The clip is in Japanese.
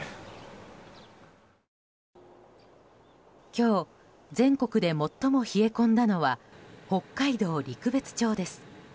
今日全国で最も冷え込んだのは北海道陸別町です。